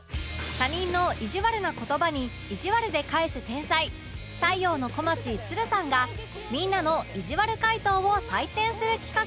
他人のいじわるな言葉にいじわるで返す天才太陽の小町つるさんがみんなのいじわる回答を採点する企画